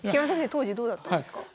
当時どうだったんですか？